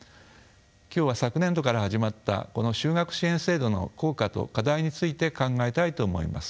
今日は昨年度から始まったこの修学支援制度の効果と課題について考えたいと思います。